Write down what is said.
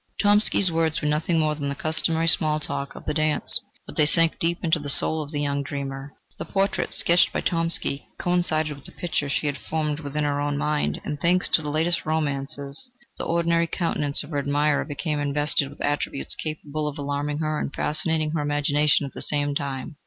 Tomsky's words were nothing more than the customary small talk of the dance, but they sank deep into the soul of the young dreamer. The portrait, sketched by Tomsky, coincided with the picture she had formed within her own mind, and thanks to the latest romances, the ordinary countenance of her admirer became invested with attributes capable of alarming her and fascinating her imagination at the same time.